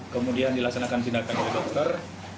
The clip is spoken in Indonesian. kemudian dilaksanakan tindakan oleh dokter